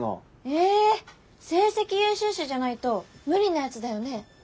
え成績優秀者じゃないと無理なやつだよね？